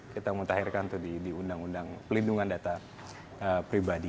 kita mutakhirkan di undang undang pelindungan data pribadi